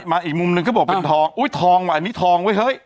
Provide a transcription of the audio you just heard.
อีกมุมหนึ่งก็บอกเป็นทองอุ๊ยทองว่ะอันนี้ทองไว้เฮ้ย